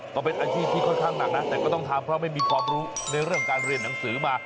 ก็เป็นอาชีพที่ค่อนข้างหนักนะแต่ก็ต้องทำเพราะไม่มีความรู้ในเรื่องการเรียนหนังสือมา